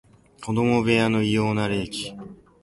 子供部屋の異様な冷気